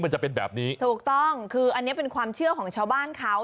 มันจะเป็นแบบนี้ถูกต้องคืออันนี้เป็นความเชื่อของชาวบ้านเขา